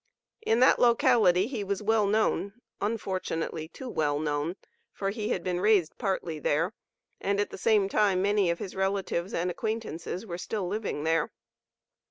In that locality he was well known, unfortunately too well known, for he had been raised partly there, and, at the same time, many of his relatives and acquaintances were still living there.